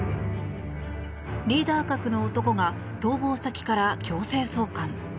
リーダー格の男が、逃亡先から強制送還。